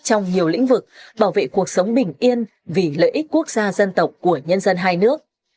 trong nhiều lĩnh vực bảo vệ cuộc sống bình yên vì lợi ích quốc gia dân tộc của nhân dân hai nước